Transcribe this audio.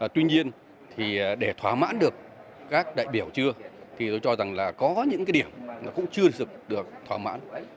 tuy nhiên thì để thỏa mãn được các đại biểu chưa thì tôi cho rằng là có những cái điểm nó cũng chưa được thỏa mãn